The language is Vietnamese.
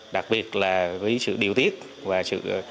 đặc biệt là với sự điều tiết và sự